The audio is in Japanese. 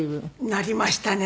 なりましたね。